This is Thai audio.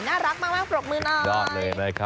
น่ารักมากประโยชน์ขอบคุณหน่อย